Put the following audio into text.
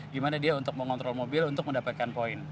gimana dia untuk mengontrol mobil untuk mendapatkan poin